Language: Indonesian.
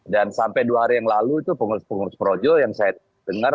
dan sampai dua hari yang lalu itu pengurus pengurus projo yang saya dengar